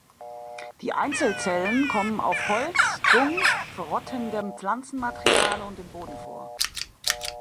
Die Einzelzellen kommen auf Holz, Dung, verrottendem Pflanzenmaterial und im Boden vor.